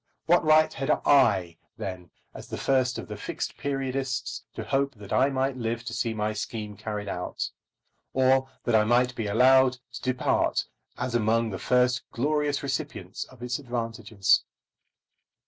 What right had I, then, as the first of the Fixed Periodists, to hope that I might live to see my scheme carried out, or that I might be allowed to depart as among the first glorious recipients of its advantages?